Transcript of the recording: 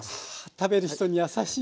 食べる人に優しい。